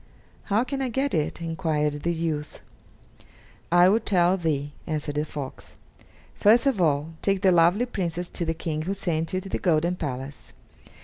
"How can I get it?" enquired the youth. "I will tell thee," answered the fox; "first of all, take the lovely Princess to the King who sent you to the golden palace.